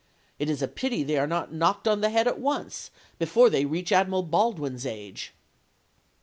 It is a pity they are not knocked on the head at once, before they reach Admiral Baldwin's age."